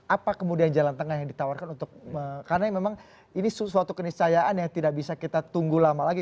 apa kemudian jalan tengah yang ditawarkan untuk karena memang ini suatu keniscayaan yang tidak bisa kita tunggu lama lagi